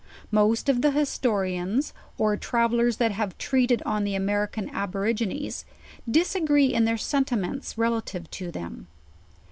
Most of the historians, oj travel lers that have treated on the American Aborigines, disagree in their sentiments relative to them.